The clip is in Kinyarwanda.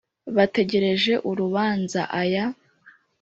bategereje urubanza aya